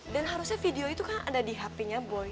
dan harusnya video itu kan ada di hp nya boy